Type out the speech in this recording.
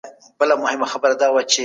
عاقل او بالغ کسان د ټولنې فعال غړي دي.